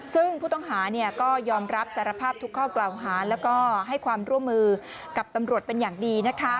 ซึ่งผู้ต้องหาก็ยอมรับสารภาพทุกข้อกล่าวหาแล้วก็ให้ความร่วมมือกับตำรวจเป็นอย่างดี